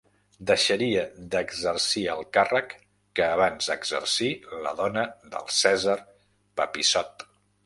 Deixaria d'exercir el càrrec que abans exercí la dona del Cèsar papissot.